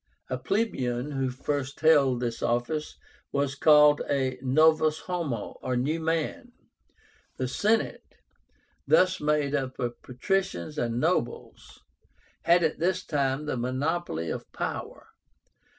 A plebeian who first held this office was called a novus homo, or "new man." The Senate, thus made up of patricians and nobles, had at this time the monopoly of power.